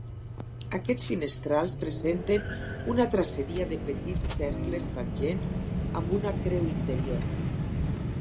Aquests finestrals presenten una traceria de petits cercles tangents amb una creu interior.